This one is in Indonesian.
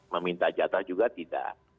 meminta jatah juga tidak